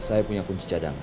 saya punya kunci cadangan